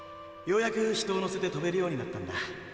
ようやく人を乗せて飛べるようになったんだ。